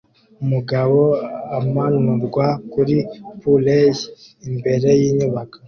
Umugabo amanurwa kuri pulley imbere yinyubako